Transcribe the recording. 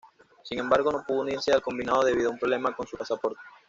Sin embargo no pudo unirse al combinado debido a un problema con su pasaporte.